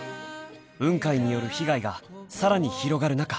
［雲海による被害がさらに広がる中］